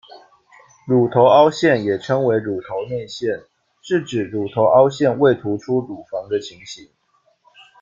乳头凹陷也称为乳头内陷，是指乳头凹陷，未突出乳房的情形。